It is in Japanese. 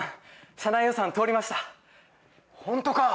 社内予算通りましたホントか？